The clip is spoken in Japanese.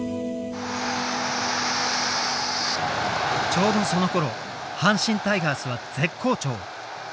ちょうどそのころ阪神タイガースは絶好調。